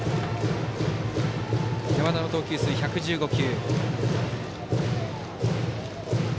山田の投球数、１１５球。